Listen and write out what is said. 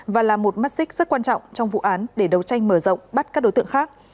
và là một mắt xích rất quan trọng trong vụ án để đấu tranh mở rộng bắt các đối tượng khác